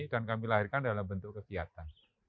dan kami lahirkan dalam bentuk kebiatan